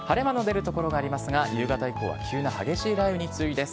晴れ間の出る所がありますが、夕方以降は急な激しい雷雨に注意です。